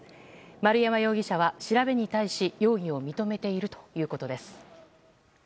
丸山容疑者は調べに対し容疑を認めているということです。